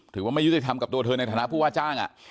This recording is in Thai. ถือว่าไม่ยุติธรรมกับตัวเธอในฐานะผู้ว่าจ้าง